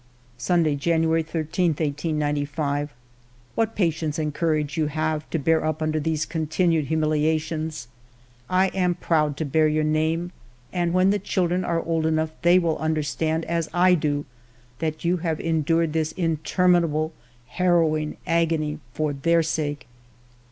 ••• "Sunday, January 13, 1895. "What patience and courage you have, to bear up under these continued humiliations ! I am proud to bear your name, and when the children are old enough, they will understand as I do that you have endured this interminable harrowing agony for their sake."